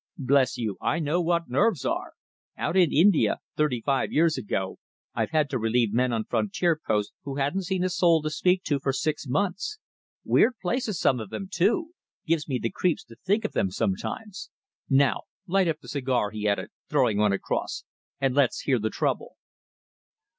"Bless you, I know what nerves are! Out in India, thirty five years ago, I've had to relieve men on frontier posts who hadn't seen a soul to speak to for six months! Weird places some of them, too gives me the creeps to think of them sometimes! Now light up that cigar," he added, throwing one across, "and let's hear the trouble."